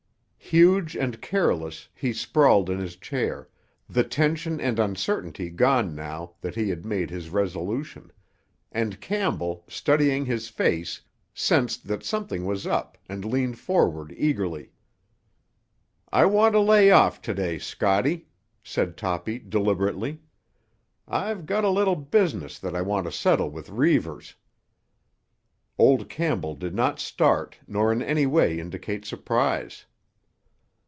Huge and careless, he sprawled in his chair, the tension and uncertainty gone now that he had made his resolution; and Campbell, studying his face, sensed that something was up and leaned forward eagerly. "I want to lay off to day, Scotty," said Toppy deliberately. "I've got a little business that I want to settle with Reivers." Old Campbell did not start nor in any way indicate surprise.